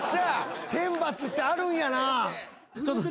天罰ってあるんやなぁ。